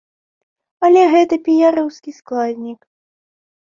Але гэта піяраўскі складнік.